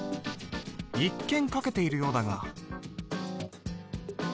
一見書けているようだが。